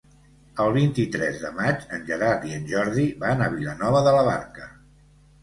El vint-i-tres de maig en Gerard i en Jordi van a Vilanova de la Barca.